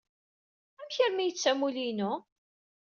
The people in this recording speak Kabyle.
Amek armi ay tettu amulli-inu?